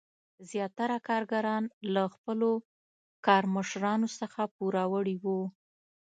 زیاتره کارګران له خپلو کارمشرانو څخه پوروړي وو.